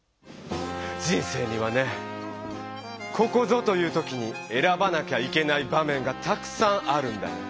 人生にはねここぞという時にえらばなきゃいけない場めんがたくさんあるんだよ。